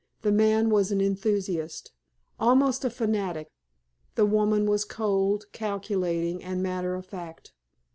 The man was an enthusiast, almost a fanatic; the woman was cold, calculating, and matter of fact.